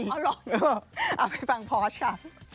เอาไปฟังพอร์ชช้ะ